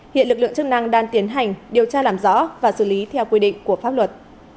hiện lực lượng chức năng đang tiến hành điều tra làm rõ và xử lý theo quy định của pháp luật